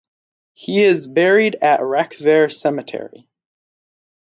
He is buried at Rakvere Cemetery.